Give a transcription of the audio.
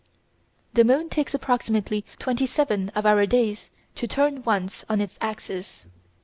The moon takes approximately twenty seven of our days to turn once on its axis.